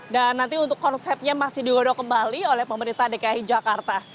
dan nanti untuk konsepnya masih digodoh kembali oleh pemerintah dki jakarta